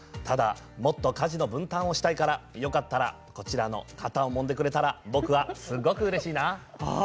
ただもっと家事の分担をしたいから、よかったらこちらの肩をもんでくれたら僕はすごくうれしいな。